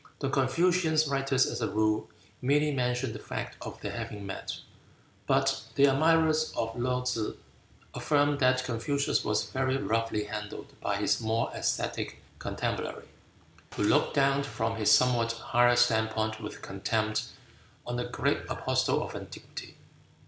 The Confucian writers as a rule merely mention the fact of their having met, but the admirers of Laou tsze affirm that Confucius was very roughly handled by his more ascetic contemporary, who looked down from his somewhat higher standpoint with contempt on the great apostle of antiquity.